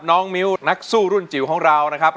น้องมิวร้องได้หรือว่าร้องผิดครับ